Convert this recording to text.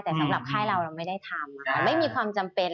แต่สำหรับค่ายเราเราไม่ได้ทำไม่มีความจำเป็น